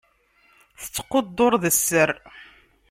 Tettqudur d sser.